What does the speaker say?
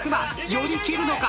寄り切るのか？